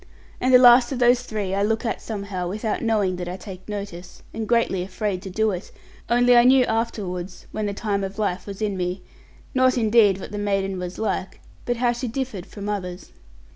And the last of those three I look at, somehow, without knowing that I take notice, and greatly afraid to do it, only I knew afterwards (when the time of life was in me), not indeed, what the maiden was like, but how she differed from others.